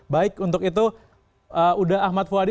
baik untuk itu udah ahmad fuadi